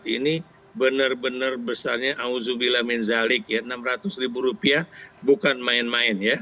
dua ribu dua puluh empat ini benar benar besarnya alhamdulillah min zalik ya rp enam ratus bukan main main ya